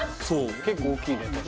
そう結構大きいね